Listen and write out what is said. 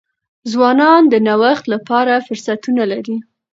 ځوانان د نوښت لپاره فرصتونه لري.